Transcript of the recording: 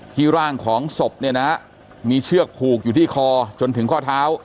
ร่างของศพเนี่ยนะมีเชือกผูกอยู่ที่คอจนถึงข้อเท้า